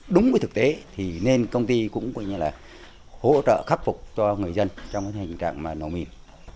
đúng với thực tế nên công ty cũng hỗ trợ khắc phục cho người dân trong hình trạng nổ mìn